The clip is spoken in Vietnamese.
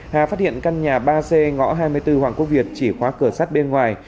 hà phát hiện căn nhà ba c ngõ hai mươi bốn hoàng quốc việt chỉ khóa cửa sát bên ngoài